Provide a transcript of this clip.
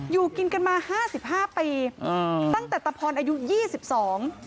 อยู่กินกันมาห้าสิบห้าปีอืมตั้งแต่ตะพรอายุยี่สิบสอง